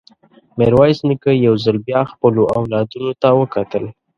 ميرويس نيکه يو ځل بيا خپلو اولادونو ته وکتل.